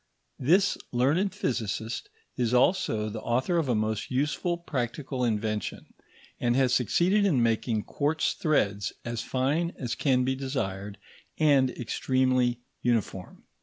This learned physicist is also the author of a most useful practical invention, and has succeeded in making quartz threads as fine as can be desired and extremely uniform.